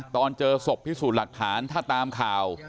ตอนเจอศพพิสูจน์หลักฐานถ้าตามข่าว